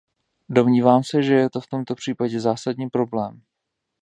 Domnívám se, že je to v tomto případě zásadní problém.